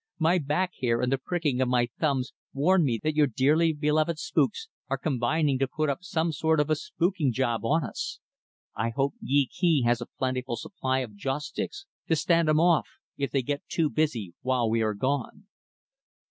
My back hair and the pricking of my thumbs warn me that your dearly beloved spooks are combining to put up some sort of a spooking job on us. I hope Yee Kee has a plentiful supply of joss sticks to stand 'em off, if they get too busy while we are gone."